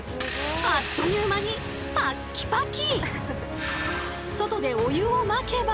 あっという間にパッキパキ！